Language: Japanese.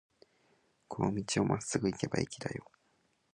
この道をまっすぐ行けば駅だよ。